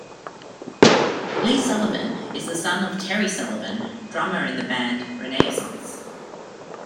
Lee Sullivan is the son of Terry Sullivan, drummer in the band Renaissance.